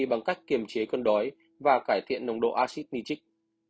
bằng cách kiềm chế cân đói và cải thiện nồng độ acid nitric